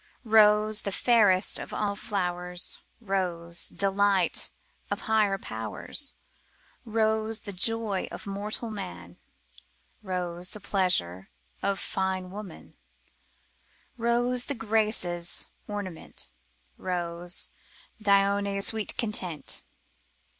Rose the fairest of all flowers. Rose delight of higher powers, Rose the joy of mortal men, Rose the pleasure of fine women, Rose the Graces' ornament, Rose Dione's sweet content.